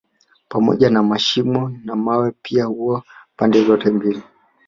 Pamoja na mashimo na mawe pia huwa pande zote mbili